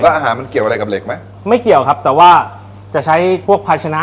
แล้วอาหารมันเกี่ยวอะไรกับเหล็กไหมไม่เกี่ยวครับแต่ว่าจะใช้พวกภาชนะ